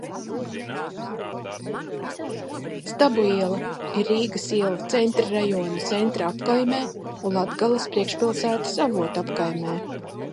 Stabu iela ir Rīgas iela, Centra rajona Centra apkaimē un Latgales priekšpilsētas Avotu apkaimē.